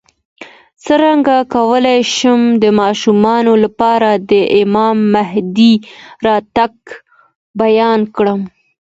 څنګه کولی شم د ماشومانو لپاره د امام مهدي راتګ بیان کړم